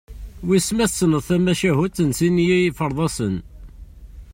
Wis ma tesneḍ tamacahut n sin yiferḍasen?